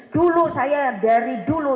dulu saya dari dulu